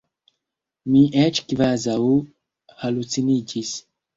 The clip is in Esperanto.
Mi eĉ kvazaŭ haluciniĝis.